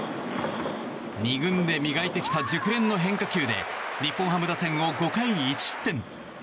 ２軍で磨いてきた熟練の変化球で日本ハム打線を５回１失点。